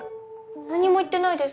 何も言ってないです。